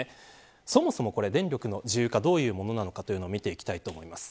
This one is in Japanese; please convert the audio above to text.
そもそも電力の自由化がどういうものなのか見ていきたいと思います。